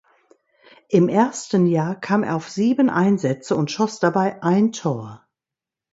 Im ersten Jahr kam er auf sieben Einsätze und schoss dabei ein Tor.